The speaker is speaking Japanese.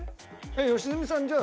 良純さんじゃあ